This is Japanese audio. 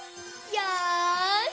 よし！